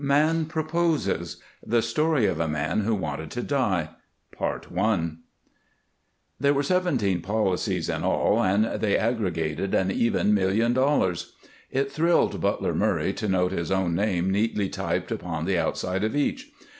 "MAN PROPOSES " THE STORY OF A MAN WHO WANTED TO DIE I There were seventeen policies in all and they aggregated an even million dollars. It thrilled Butler Murray to note his own name neatly typed upon the outside of each.